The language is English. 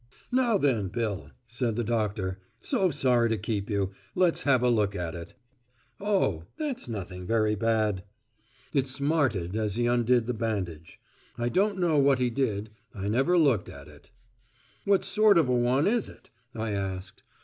"Now then, Bill," said the doctor. "So sorry to keep you. Let's have a look at it. Oh, that's nothing very bad." It smarted as he undid the bandage. I don't know what he did. I never looked at it. "What sort of a one is it?" I asked.